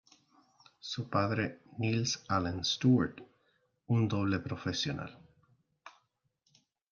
Su padre, Nils Allen Stewart, un doble profesional.